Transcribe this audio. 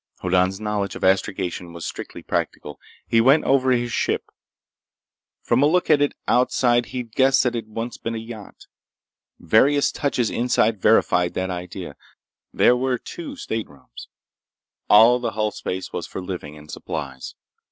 Hoddan's knowledge of astrogation was strictly practical. He went over his ship. From a look at it outside he'd guessed that it once had been a yacht. Various touches inside verified that idea. There were two staterooms. All the hull space was for living and supplies.